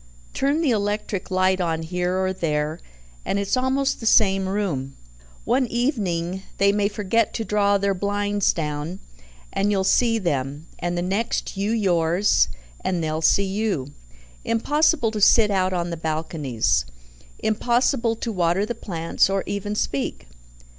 "Turn the electric light on here or there, and it's almost the same room. One evening they may forget to draw their blinds down, and you'll see them; and the next, you yours, and they'll see you. Impossible to sit out on the balconies. Impossible to water the plants, or even speak.